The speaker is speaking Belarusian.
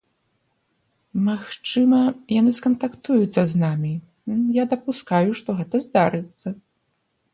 Магчыма, яны скантактуюцца з намі, я дапускаю, што гэта здарыцца.